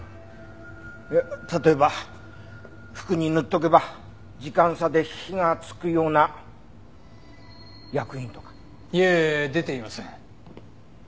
例えば服に塗っとけば時間差で火がつくような薬品とか。いえ出ていません。